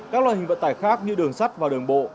các loại hình vận tải khác như đường sắt và đường bộ